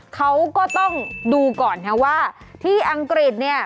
เขาก็ต้องดูก่อนนะว่าที่อังกฤษเนี่ย